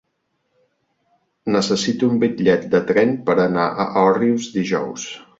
Necessito un bitllet de tren per anar a Òrrius dijous.